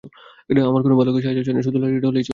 আমার কোনো ভালুকের সাহায্য চাই না, শুধু লাঠিটা হলেই চলবে।